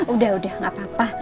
udah udah gak apa apa